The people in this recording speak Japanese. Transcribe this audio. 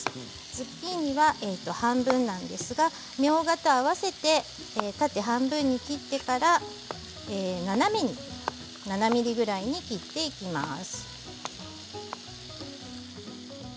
ズッキーニは半分なんですがみょうがと合わせて縦半分に切ってから斜めに７ｍｍぐらいに切っていきます。